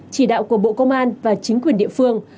chỉ đạo của bộ công an và chính quyền địa phương